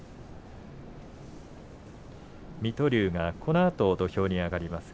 水戸龍が、このあと土俵に上がります。